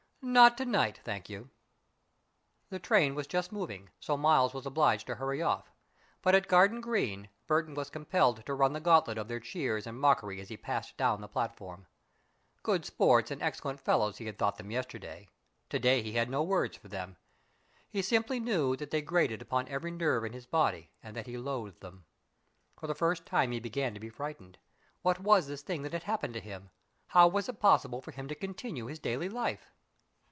"Not to night, thank you." The train was just moving, so Miles was obliged to hurry off, but at Garden Green, Burton was compelled to run the gauntlet of their cheers and mockery as he passed down the platform. Good sports and excellent fellows he had thought them yesterday. To day he had no words for them. He simply knew that they grated upon every nerve in his body and that he loathed them. For the first time he began to be frightened. What was this thing that had happened to him? How was it possible for him to continue his daily life?